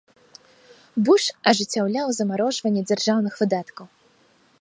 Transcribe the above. Буш ажыццяўляў замарожванне дзяржаўных выдаткаў.